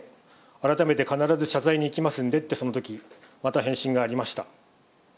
改めて、必ず謝罪に行きますんでって、そのとき、また返信がありました。